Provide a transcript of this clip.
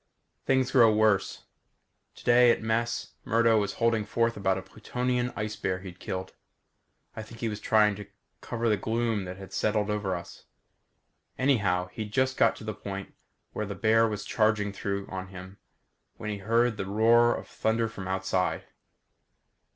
Things grow worse. Today, at mess, Murdo was holding forth about a Plutonian ice bear he'd killed. I think he was trying to cover the gloom that has settled over us. Anyhow, he'd just got to the point where the bear was charging down on him when we heard the roar of thunder from outside.